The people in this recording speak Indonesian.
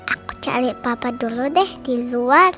aku cari papa dulu deh di luar